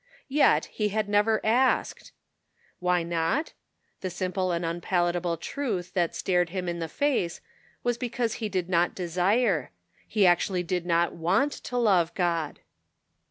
Yet he had never asked ! Why not ? The simple and unpalatable truth that stared him in the face was because he did not desire. He actually did not want to love God.